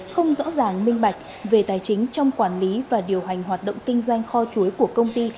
không rõ ràng minh bạch về tài chính trong quản lý và điều hành hoạt động kinh doanh kho chuối của công ty